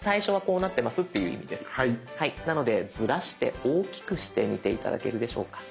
なのでズラして大きくしてみて頂けるでしょうか。